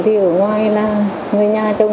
thì ở ngoài là người nhà trông